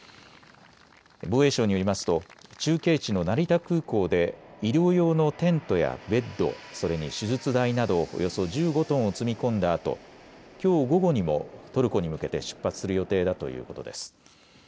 防衛省によりますと中継地の成田空港で医療用のテントやベッド、それに手術台などおよそ１５トンを積み込んだあときょう午後にもトルコに向けて出発する予定だということです。